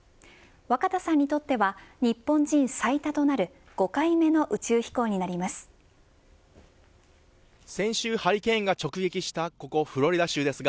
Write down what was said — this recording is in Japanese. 若田さんにとっては日本人最多となる５回目の宇宙飛行になります。